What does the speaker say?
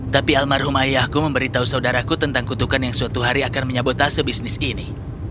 tapi almarhum ayahku memberitahu saudaraku tentang kutukan yang suatu hari akan menyabotase bisnis ini